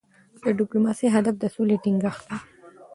د ډيپلوماسی هدف د سولې ټینګښت دی.